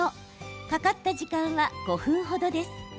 かかった時間は５分程です。